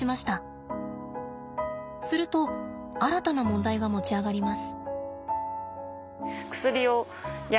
すると新たな問題が持ち上がります。